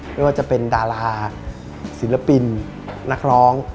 ไม่ว่าจะเป็นดาราศิลปินนักร้อง